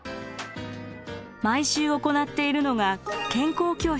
毎週行っているのが健康教室。